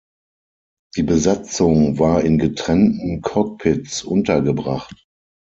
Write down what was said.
Die Besatzung war in getrennten Cockpits untergebracht.